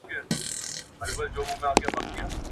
جامه په يوه گوته اوږده په يوه لنډه.